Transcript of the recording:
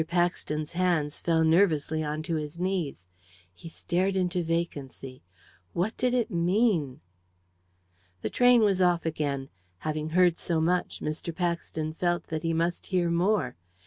Paxton's hands fell nervelessly on to his knees. He stared into vacancy. What did it mean? The train was off again. Having heard so much, Mr. Paxton felt that he must hear more.